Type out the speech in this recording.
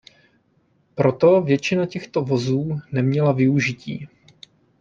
Proto většina těchto vozů neměla využití.